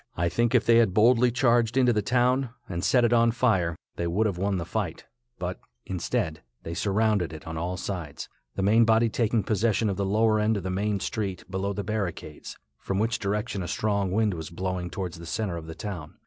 I think if they had boldly charged into the town and set it on fire, they would have won the fight; but, instead, they surrounded it on all sides, the main body taking possession of the lower end of the main street below the barricades, from which direction a strong wind was blowing towards the center of the town.